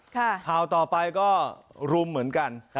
ข่าวต่อไปก็รุมเหมือนกัน